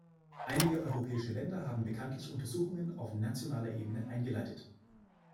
Einige europäische Länder haben bekanntlich Untersuchungen auf nationaler Ebene eingeleitet.